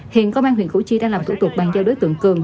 hiện công an huyện củ chi đang làm thủ tục bàn giao đối tượng cường